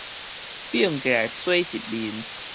反過來洗這面